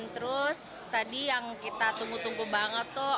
terus tadi yang kita tunggu tunggu banget tuh